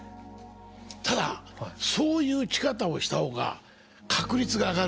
ただそういう打ち方をした方が確率が上がるんです。